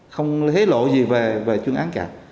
không hế lộ gì về chuyên án cả